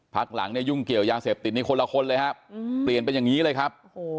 พักหลังยุ่งเกี่ยวยาเสพติดนี่คนละคนเลยครับ